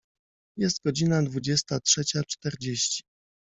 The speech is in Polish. Jest godzina dwudziesta trzecia czterdzieści.